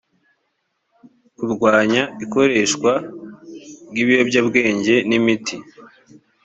kurwanya ikoreshwa ry ibiyobyabwenge n imiti